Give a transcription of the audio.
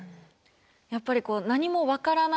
やっぱり何も分からない